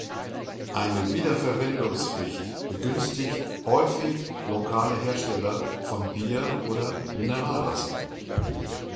Eine Wiederverwendungspflicht begünstigt häufig lokale Hersteller von Bier oder Mineralwasser.